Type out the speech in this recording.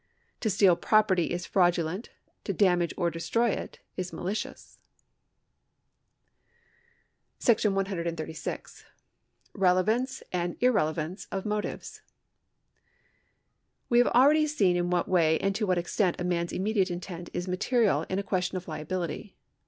To steal property is fraudulent ; to damage or destroy it is malicious. § 136. Relevance and Irrelevance of Motives. We have already seen in what way and to what extent a man's immediate intent is material in a question of liability.